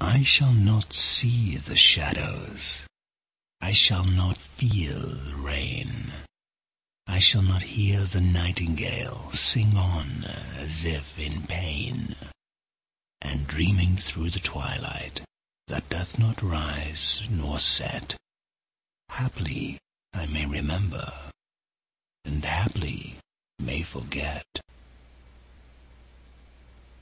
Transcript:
I shall not see the shadows, I shall not feel the rain; I shall not hear the nightingale Sing on, as if in pain; And dreaming through the twilight That doth not rise nor set, Haply I may remember, And haply may forget.